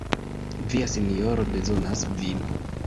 Via sinjoro bezonas vin!